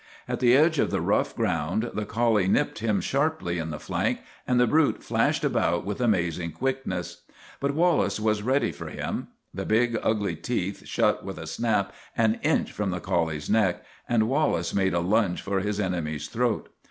At the edge of the rough ground the collie nipped him sharply in the flank, and the brute flashed about with amazing quickness. But Wal lace was ready for him. The big, ugly teeth shut with a snap an inch from the collie's neck, and Wal lace made a lunge for his enemy's throat.